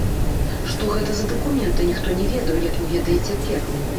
Што гэта за дакументы, ніхто не ведаў, як не ведае і цяпер.